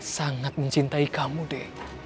sangat mencintai kamu dek